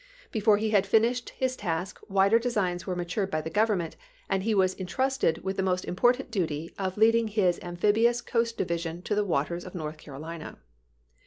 Before he had finished his task wider designs were matured by the Government, and he was in trusted with the more important duty of leading his amphibious coast division to the waters of North Carolina.